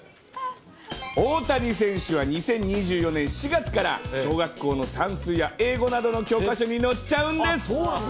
大谷選手は２０２４年４月から、小学校の算数や英語などの教科書に載っちゃうんです。